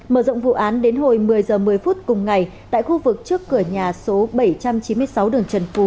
mở rộng vụ án đến hồi một mươi h một mươi phút cùng ngày tại khu vực trước cửa nhà số bảy trăm chín mươi sáu đường trần phú